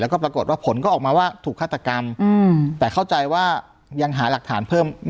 แล้วก็ปรากฏว่าผลก็ออกมาว่าถูกฆาตกรรมแต่เข้าใจว่ายังหาหลักฐานเพิ่ม